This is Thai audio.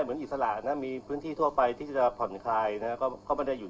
เข้ามาสังเกตอาการก็สามารถจะมาเดินเล่น